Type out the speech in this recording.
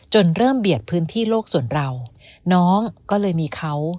เริ่มเบียดพื้นที่โลกส่วนเราน้องก็เลยมีเขา